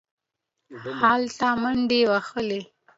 هلته منډې وهلې.